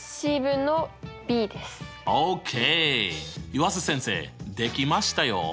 湯浅先生できましたよ。